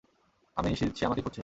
আমি নিশ্চিত সে আমাকেই খুঁজছে।